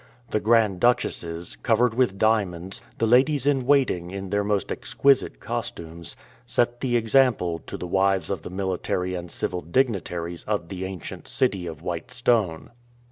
The grand duchesses, covered with diamonds, the ladies in waiting in their most exquisite costumes, set the example to the wives of the military and civil dignitaries of the ancient "city of white stone."